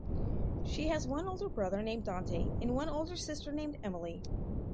She has one older brother named Dante and one older sister named Emily.